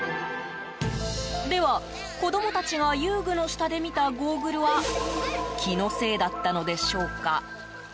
では、子供たちが遊具の下で見たゴーグルは気のせいだったのでしょうか？